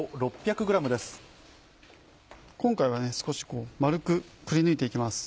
今回は少し丸くくりぬいて行きます。